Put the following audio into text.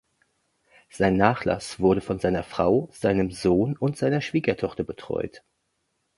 Sein Nachlass wurde von seiner Frau, seinem Sohn und seiner Schwiegertochter betreut.